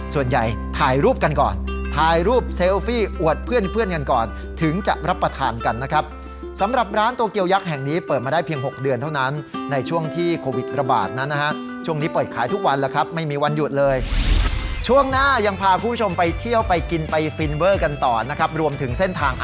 ส่วนใหญ่ถ่ายรูปกันก่อนถ่ายรูปเซลฟี่อวดเพื่อนเพื่อนกันก่อนถึงจะรับประทานกันนะครับสำหรับร้านโตเกียวยักษ์แห่งนี้เปิดมาได้เพียง๖เดือนเท่านั้นในช่วงที่โควิดระบาดนั้นนะฮะช่วงนี้เปิดขายทุกวันแล้วครับไม่มีวันหยุดเลยช่วงหน้ายังพาคุณผู้ชมไปเที่ยวไปกินไปฟินเวอร์กันต่อนะครับรวมถึงเส้นทาง